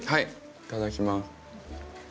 いただきます。